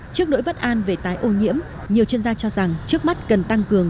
trước nỗi bất an về tái ô nhiễm nhiều chuyên gia cho rằng trước mắt cần tăng cường